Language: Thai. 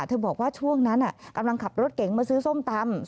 บอกว่าช่วงนั้นกำลังขับรถเก๋งมาซื้อส้มตำ